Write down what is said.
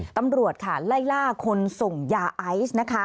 ตำรวจค่ะไล่ล่าคนส่งยาไอซ์นะคะ